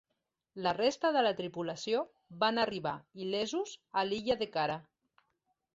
La resta de la tripulació van arribar il·lesos a l'illa de Cara.